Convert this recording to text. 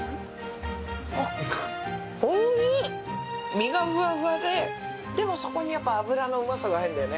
身がふわふわででもそこにやっぱ油の旨さが入るんだよね。